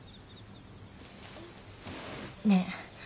ねえ。